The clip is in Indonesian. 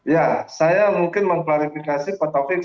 ya saya mungkin mengklarifikasi pak taufik